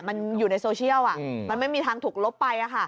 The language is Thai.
มันอยู่ในโซเชียลอ่ะมันไม่มีทางถูกลบไปอ่ะค่ะ